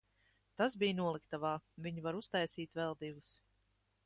Tas bija noliktavā, viņi var uztaisīt vēl divus.